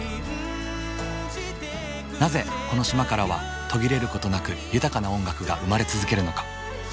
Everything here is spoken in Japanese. なぜこの島からは途切れることなく豊かな音楽が生まれ続けるのか。